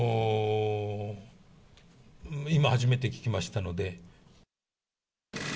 今初めて聞きましたので。